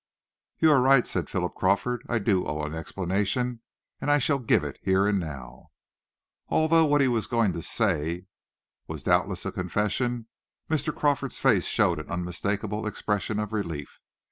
"You are right," said Philip Crawford. "I do owe an explanation, and I shall give it here and now." Although what he was going to say was doubtless a confession, Mr. Crawford's face showed an unmistakable expression of relief.